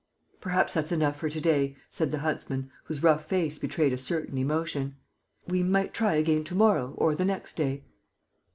"Perhaps that's enough for to day," said the huntsman, whose rough face betrayed a certain emotion. "We might try again to morrow or the next day...."